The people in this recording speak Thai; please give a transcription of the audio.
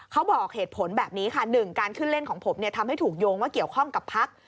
เขาบอกเหตุผลแบบนี้ค่ะ๑การขึ้นเล่นของผมทำให้ถูกโยงว่าเกี่ยวข้องกับพัก